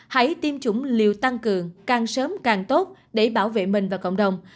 hãy tiêm chủng liều tăng cường càng sớm càng tốt để bảo vệ mình và cộng đồng